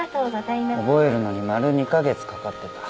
覚えるのに丸２カ月かかってた。